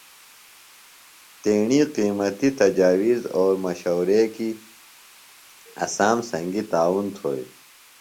تیݨی قیمتی تجاویز او مشورے کیۡ اسام سنگی تعاون تھوئی۔